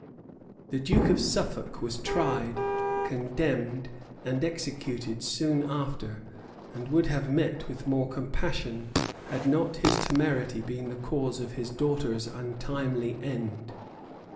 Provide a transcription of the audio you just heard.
[*] The duke of Suffolk was tried, condemned, and executed soon after; and would have met with more compassion, had not his temerity been the cause of his daughter's untimely end.